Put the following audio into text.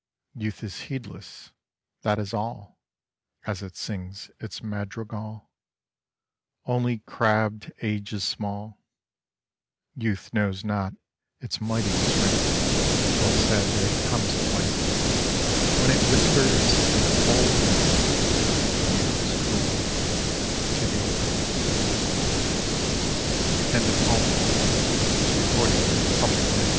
Youth is heedless, — that is all, As it sings its madrigal; Only crabbed Age is small. Youth knows not its mighty strength Till a sad day comes at length When it whispers in the cold, " Youth is cruel — to the old 1 " ■■Mi THE DEAD MARCH (In Gotter